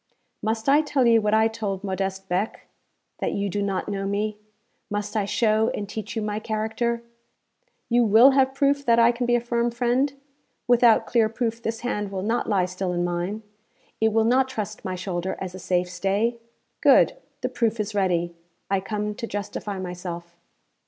'Must I tell you what I told Modeste Beck that you do not know me? Must I show and teach you my character? You will have proof that I can be a firm friend? Without clear proof this hand will not lie still in mine, it will not trust my shoulder as a safe stay? Good. The proof is ready. I come to justify myself.'